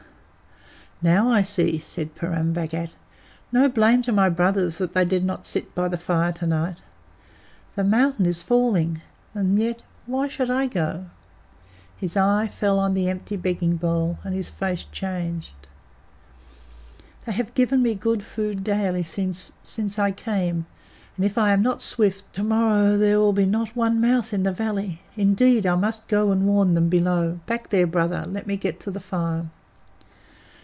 "Now I see," said Purun Bhagat. "No blame to my brothers that they did not sit by the fire to night. The mountain is falling. And yet why should I go?" His eye fell on the empty begging bowl, and his face changed. "They have given me good food daily since since I came, and, if I am not swift, to morrow there will not be one mouth in the valley. Indeed, I must go and warn them below. Back there, Brother! Let me get to the fire."